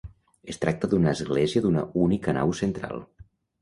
Es tracta d'una església d'una única nau central.